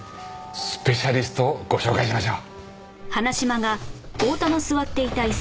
スペシャリストをご紹介しましょう。